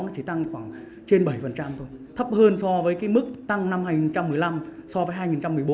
hai mươi sáu chỉ tăng khoảng trên bảy thôi thấp hơn so với cái mức tăng năm hai nghìn một mươi năm so với hai nghìn một mươi bốn